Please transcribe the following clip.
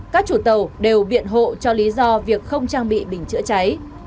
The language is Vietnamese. các chủ tàu đều biện hộ cho lý do việc không trang bị bình chữa cháy